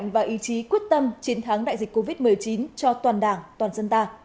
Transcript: và ý chí quyết tâm chiến thắng đại dịch covid một mươi chín cho toàn đảng toàn dân ta